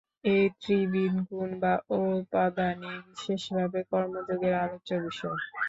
এই ত্রিবিধ গুণ বা উপাদানই বিশেষভাবে কর্মযোগের আলোচ্য বিষয়।